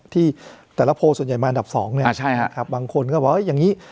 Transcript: ที่แต่ละโพลส่วนใหญ่มาอันดับ๒บางคนก็บอกอย่างนี้